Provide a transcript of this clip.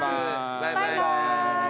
バイバイ。